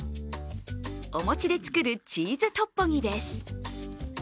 お餅で作るチーズトッポギです。